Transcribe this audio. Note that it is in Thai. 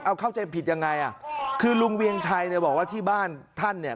เอาเข้าใจผิดยังไงอ่ะคือลุงเวียงชัยเนี่ยบอกว่าที่บ้านท่านเนี่ย